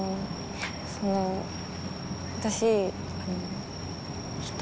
その私。